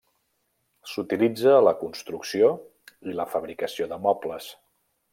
S'utilitza a la construcció i la fabricació de mobles.